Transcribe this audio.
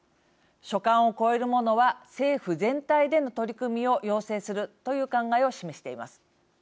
所管を超えるものは政府全体での取り組みを要請するという考えを示しています。